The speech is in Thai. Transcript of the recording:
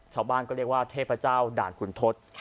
ชาวบ้านก็เรียกว่าเทพเจ้าด่านขุนทศ